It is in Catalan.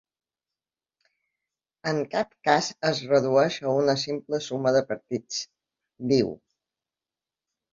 “En cap cas es redueix a una simple suma de partits”, diu.